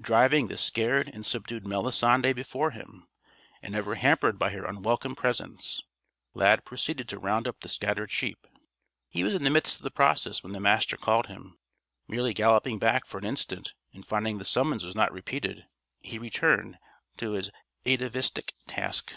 Driving the scared and subdued Melisande before him and ever hampered by her unwelcome presence Lad proceeded to round up the scattered sheep. He was in the midst of the process when the Master called him. Merely galloping back for an instant, and finding the summons was not repeated, he returned to his atavistic task.